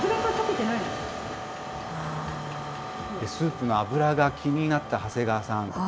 スープの脂が気になった長谷川さん。